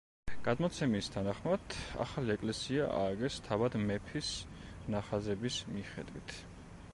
გადმოცემის თანახმად ახალი ეკლესია ააგეს თავად მეფის ნახაზების მიხედვით.